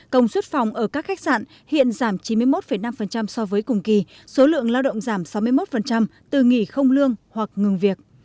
công suất phòng ở các khách sạn hiện giảm chín mươi một năm so với cùng kỳ số lượng lao động giảm sáu mươi một từ nghỉ không lương hoặc ngừng việc